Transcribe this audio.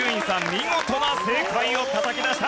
見事な正解をたたき出した。